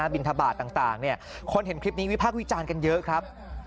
บินทบาทต่างคนเห็นคลิปนี้วิพากษ์วิจารณ์กันเยอะครับ